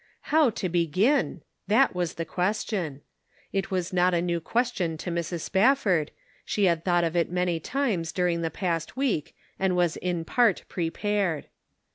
How to begin? that was the question. It was not a new question to Mrs. Spafford, she had thought of it many times during the past week, and was in part prepared.